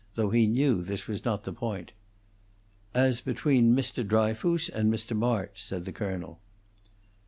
though he knew this was not the point. "As between Mr. Dryfoos and Mr. March," said the colonel.